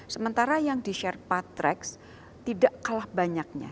sementara yang di sherpa trek tidak kalah banyaknya